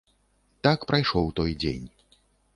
Так прайшоў той дзень.